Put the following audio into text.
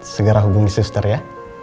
segera hubungi sister ya